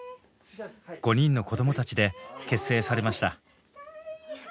５人の子どもたちで結成されました。